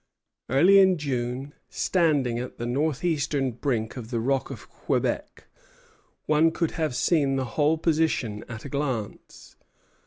Early in June, standing at the northeastern brink of the rock of Quebec, one could have seen the whole position at a glance.